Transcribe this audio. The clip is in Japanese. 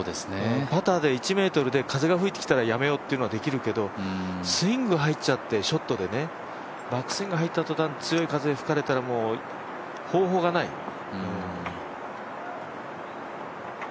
パターで１ｍで風が吹いてきたらやめようっていうのはできるけどスイング入っちゃってショットで、バックスイング入った瞬間に強い風に吹かれたらもう方法がない。